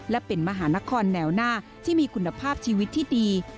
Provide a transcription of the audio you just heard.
และเป็นมหานครแนวหน้าที่มีคุณภาพชีวิตที่ดี